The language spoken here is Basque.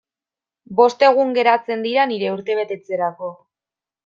Bost egun geratzen dira nire urtebetetzerako.